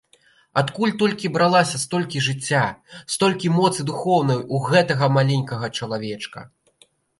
Адкуль толькі бралася столькі жыцця, столькі моцы духоўнай у гэтага маленькага чалавечка!